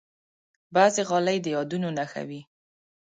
بعضې غالۍ د یادونو نښه وي.